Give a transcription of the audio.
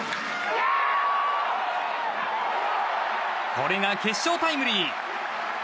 これが決勝タイムリー。